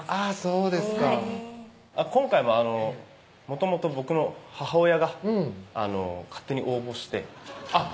そうですかはい今回はもともと僕の母親が勝手に応募してあっ